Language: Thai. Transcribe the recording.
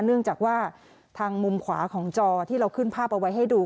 เนื่องจากว่าทางมุมขวาของจอที่เราขึ้นภาพเอาไว้ให้ดู